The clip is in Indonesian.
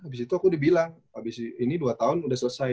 habis itu aku dibilang habis ini dua tahun udah selesai